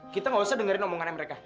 kita gak usah dengerin omongannya mereka